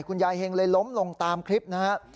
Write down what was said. คุณยายเห็งเลยล้มลงตามคลิปนะฮะ